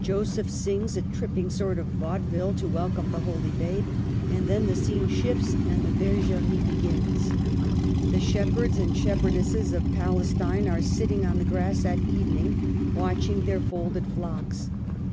Joseph sings a tripping sort of Vaudeville to welcome the Holy Babe ; and then the scene shifts, and the Bergerie begins. The shepherds and shepherdesses of Pales tine are sitting on the grass at evening, watch ing their folded flocks.